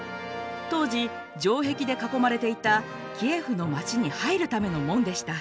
当時城壁で囲まれていたキエフの街に入るための門でした。